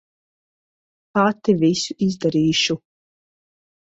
Pati visu izdarīšu.